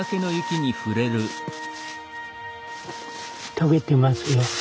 解けてますよ。